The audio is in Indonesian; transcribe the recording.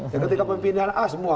ya ketika pimpinan a semua